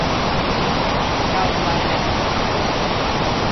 Daudz laimes?